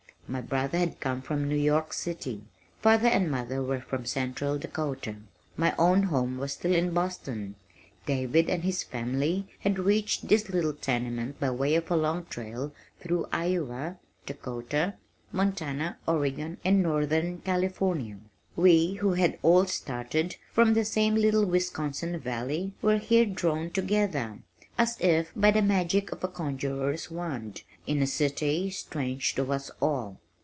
My brother had come from New York City. Father and mother were from central Dakota. My own home was still in Boston. David and his family had reached this little tenement by way of a long trail through Iowa, Dakota, Montana, Oregon and Northern California. We who had all started, from the same little Wisconsin Valley were here drawn together, as if by the magic of a conjuror's wand, in a city strange to us all.